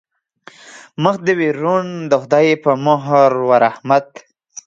مخ دې وي روڼ د خدای په مهر و رحمت.